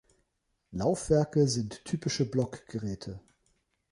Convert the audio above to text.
Laufwerke sind typische Blockgeräte.